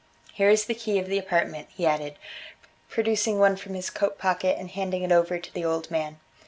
Here is the key of the apartment," he added, producing one from his coat pocket and handing it over to the old man.